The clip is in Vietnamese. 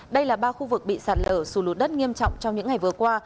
đây là ba khu vực bị sạt lở xù lún đất nghiêm trọng trong những ngày vừa qua